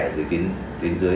ở dưới tuyến dưới